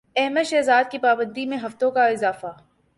احمد شہزاد کی پابندی میں ہفتوں کا اضافہ